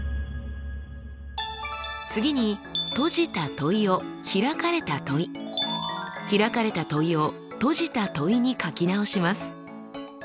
次に閉じた問いを開かれた問い開かれた問いを閉じた問いに書き直します。